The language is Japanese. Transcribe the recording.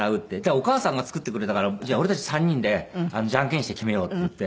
お母さんが作ってくれたからじゃあ俺たち３人でジャンケンして決めようっていって。